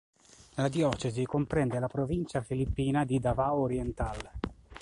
La diocesi comprende la provincia filippina di Davao Oriental.